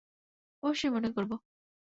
অবশ্যই মনে করব!